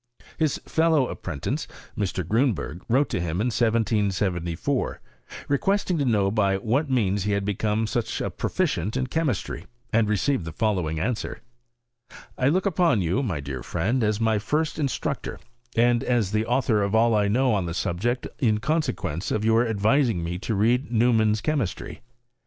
His fel!ow ap prentice, Mr. Grun berg, wrote to him in 1774, requesting to know by what means he had become such a proficient In chemistry, and received the following answer :" I look upon you, my dear friend, as my first in structor, and as the author of all I know on the subject, in consequence of your advising me to read Neumann's Chemistry.